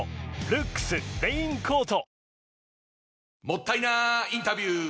もったいなインタビュー！